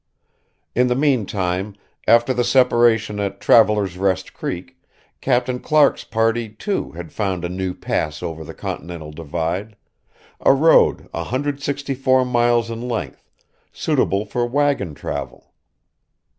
In the mean time, after the separation at Traveler's Rest Creek, Captain Clark's party, too, had found a new pass over the Continental Divide, a road 164 miles in length, suitable for wagon travel.